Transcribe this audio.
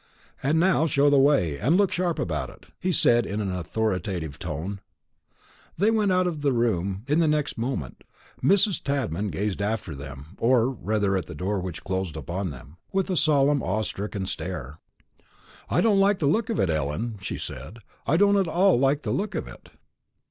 "And now show the way, and look sharp about it," he said in an authoritative tone. They went out of the room in the next moment. Mrs. Tadman gazed after them, or rather at the door which had closed upon them, with a solemn awe stricken stare. "I don't like the look of it, Ellen," she said; "I don't at all like the look of it."